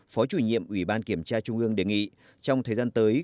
phó chủ nhiệm ủy ban kiểm tra trung ương đề nghị trong thời gian tới